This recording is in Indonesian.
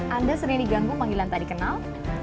anda sering diganggu panggilan tak dikenal